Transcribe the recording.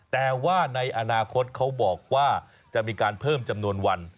แต่ว่าในอนาคตเขาบอกว่าจะมีการเพิ่มจำนวนวัน